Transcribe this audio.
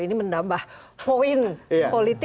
ini menambah poin politik